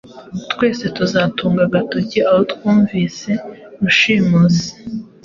Twese tuzatunga agatoki aho twumvise Rushimusi.